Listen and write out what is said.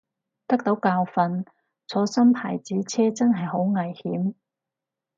得到教訓，坐新牌子車真係好危險